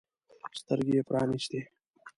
سترګې يې پرانیستې.